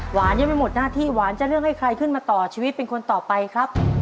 หวานยังไม่หมดหน้าที่หวานจะเลือกให้ใครขึ้นมาต่อชีวิตเป็นคนต่อไปครับ